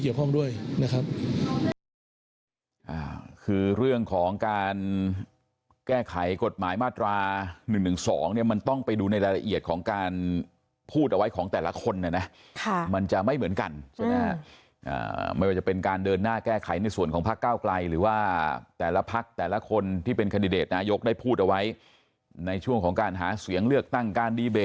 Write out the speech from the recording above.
๑๑๒อยู่ก็คงไม่นักลาสนุนจากหลายภาคนะครับที่เกี่ยวข้องด้วยนะครับ